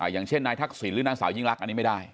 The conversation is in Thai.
อย่างเช่นนายทักษิณหรือนางสาวยิ่งรักอันนี้ไม่ได้